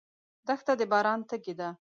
دښته د باران تږې ده.